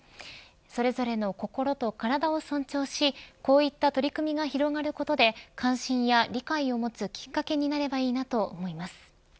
それぞれの心と体を尊重しこういった取り組みが広がることで関心や理解を持つきっかけになればいいなと思います。